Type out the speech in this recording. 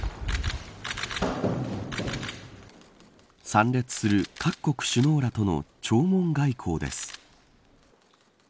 参列する各国首脳らとの弔問外交です。